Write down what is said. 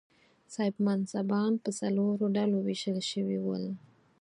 صاحب منصبان پر څلورو ډلو وېشل شوي ول.